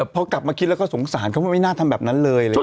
พอกลับมาคิดแล้วก็สงสารเขาก็ไม่น่าทำแบบนั้นเลย